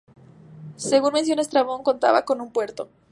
Según menciona Estrabón, contaba con un puerto.